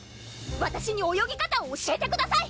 わたしに泳ぎ方を教えてください！